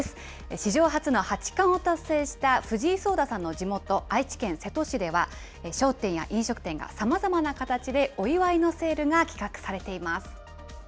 史上初の八冠を達成した藤井聡太さんの地元、愛知県瀬戸市では、商店や飲食店がさまざまな形で、お祝いのセールが企画されています。